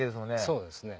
そうですね。